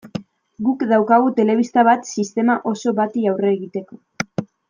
Guk daukagu telebista bat sistema oso bati aurre egiteko.